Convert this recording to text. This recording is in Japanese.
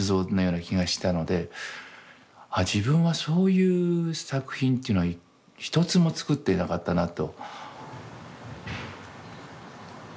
自分はそういう作品っていうのはひとつも作っていなかったなと。